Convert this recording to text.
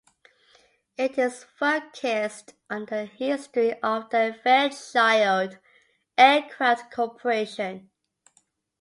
It is focused on the history of the Fairchild Aircraft Corporation.